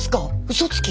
嘘つき？